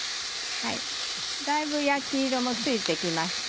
だいぶ焼き色もついて来ました。